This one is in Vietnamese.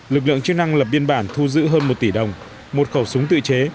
lực lượng chức năng lập biên bản thu giữ hơn một tỷ đồng một khẩu súng tự chế